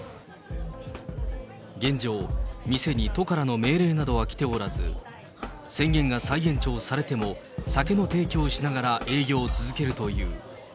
現状、店に都からの命令などは来ておらず、宣言が再延長されても、酒の提供をしながら営業を続けるという。